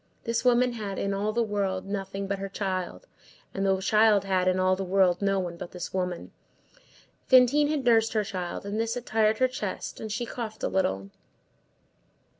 This woman had, in all the world, nothing but her child, and the child had, in all the world, no one but this woman. Fantine had nursed her child, and this had tired her chest, and she coughed a little.